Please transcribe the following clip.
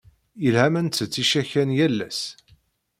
Yelha ma ntett icakan yal ass.